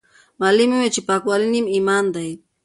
معلم وویل چې پاکوالی نیم ایمان دی.